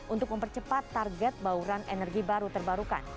untuk mempercepat target bauran energi baru terbarukan